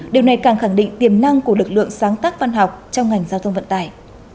điều này càng khẳng định tiềm năng của lực lượng sáng tác văn học trong ngành giao thông vận tải